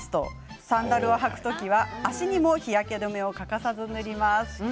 サンダルを履く時は脚にも日焼け止めを欠かさず塗ります。